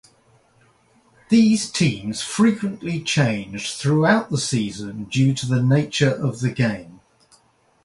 These teams frequently changed throughout the season due to the nature of the game.